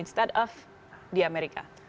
sebaliknya di amerika